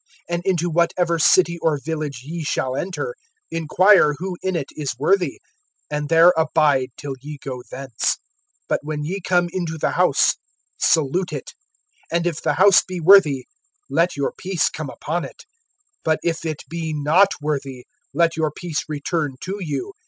(11)And into whatever city or village ye shall enter, inquire who in it is worthy; and there abide till ye go thence. (12)But when ye come into the house, salute it. (13)And if the house be worthy, let your peace come upon it; but if it be not worthy, let your peace return to you.